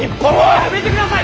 やめてください！